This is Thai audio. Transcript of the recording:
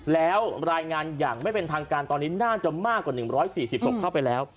และรายงานอย่างไม่เป็นทางการตอนนี้น่าจะมากกว่า๑๔๐